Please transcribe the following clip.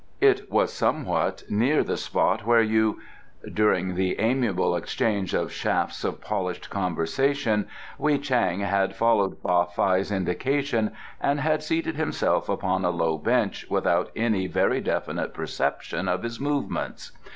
It was somewhat near the spot where you " During the amiable exchange of shafts of polished conversation Wei Chang had followed Fa Fai's indication and had seated himself upon a low bench without any very definite perception of his movements.